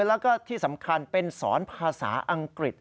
แล้วก็ที่สำคัญเป็นสอนภาษาอังกฤษ